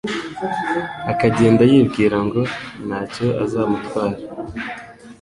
akagenda yibwira ngo nta cyo uzamutwara?